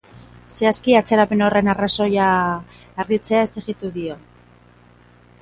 Zehazki, atzerapen horren arrazoia argitzea exijitu dio.